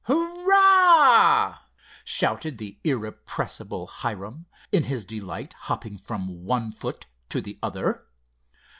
"Hurrah!" shouted the irrepressible Hiram, in his delight hopping from one foot to the other.